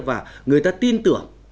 và người ta tin tưởng